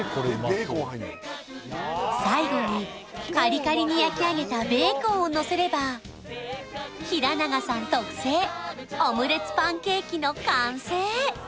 最後にカリカリに焼き上げたベーコンをのせればＨＩＲＡＮＡＧＡさん特製オムレツパンケーキの完成